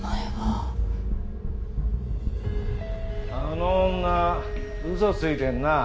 あの女嘘ついてんな。